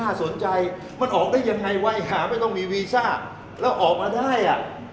สนใจมันออกได้ยังไงวัยหาไม่ต้องมีวีซ่าแล้วออกมาได้อ่ะ